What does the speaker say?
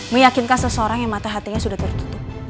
meyakinkan seseorang yang mata hatinya sudah tertutup